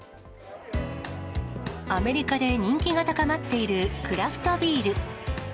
アメリカで人気が高まっているクラフトビール。